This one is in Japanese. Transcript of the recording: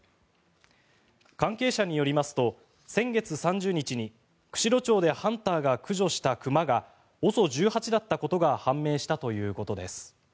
関係者によりますと先月３０日に釧路町でハンターが駆除した熊がＯＳＯ１８だったことが判明したということです。